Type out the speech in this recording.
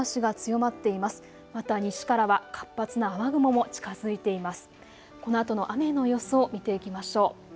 また西からは活発な雨雲も近づいています。